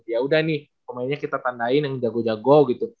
ya udah nih pemainnya kita tandain yang jago jago gitu